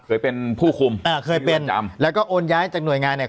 เคยเป็นผู้คุมอ่าเคยเป็นจำแล้วก็โอนย้ายจากหน่วยงานเนี่ย